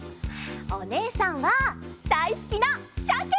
おねえさんはだいすきなしゃけ！